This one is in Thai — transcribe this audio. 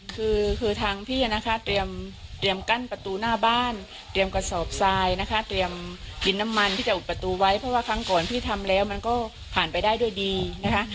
คือคือทางพี่นะคะเตรียมกั้นประตูหน้าบ้านเตรียมกระสอบทรายนะคะเตรียมกินน้ำมันที่จะอุดประตูไว้เพราะว่าครั้งก่อนพี่ทำแล้วมันก็ผ่านไปได้ด้วยดีนะคะ